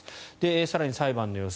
更に裁判の様子